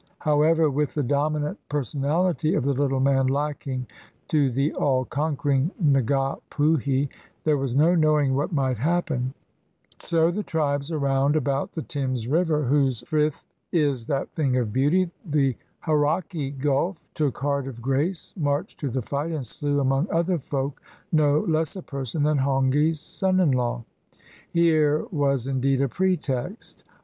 However, with the dominant per sonality of the little man lacking to the aU conquering Nga Puhi, there was no knowing what might happen; so the tribes around about the Thames River, whose frith is that thing of beauty, the Hauraki Gulf, took heart of grace, marched to the fight, and slew, among other folk, no less a person than Hongi's son in law. Here was, indeed, a pretext.